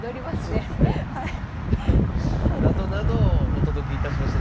そうですね。などなどお届けいたしました。